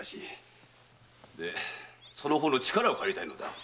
でその方の力を借りたいのだ。